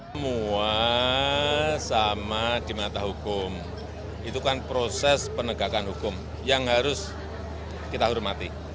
semua sama di mata hukum itu kan proses penegakan hukum yang harus kita hormati